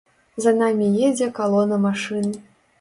За намі едзе калона машын.